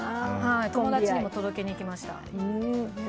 友達にも届けに行きました。